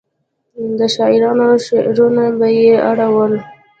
د شاعرانو شعرونه به یې راوړل.